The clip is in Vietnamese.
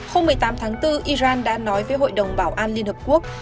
hôm một mươi tám tháng bốn iran đã nói với hội đồng bảo an liên hợp quốc